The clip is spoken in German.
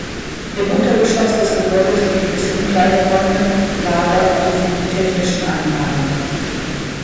Im Untergeschoss des Gebäudes gibt es Umkleideräume, Lager sowie die technischen Anlagen.